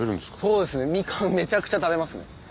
そうですねミカンめちゃくちゃ食べますね。